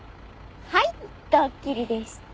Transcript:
はいドッキリでした！